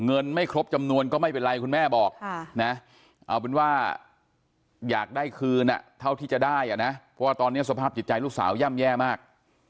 เอาเป็นว่าอยากได้คืนอ่ะเท่าที่จะได้อ่ะนะเพราะว่าตอนเนี้ยสภาพจิตใจลูกสาวย่ำแย่มาก